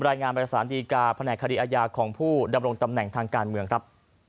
รายงานไปสารดีกาแผนกคดีอาญาของผู้ดำรงตำแหน่งทางการเมืองครับ